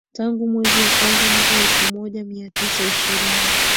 tangu mwezi wa kwanza mwaka elfu moja mia tisa ishirini